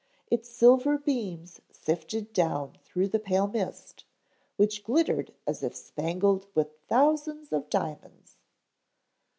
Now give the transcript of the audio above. Its silver beams sifted down through the pale mist, which glittered as if spangled with thousands of diamonds.